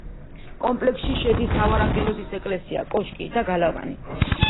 კომპლექსში შედის მთავარანგელოზის ეკლესია, კოშკი და გალავანი.